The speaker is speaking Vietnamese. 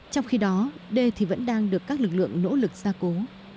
trong khi đó đê thì vẫn đang được các lực lượng nỗ lực ra cố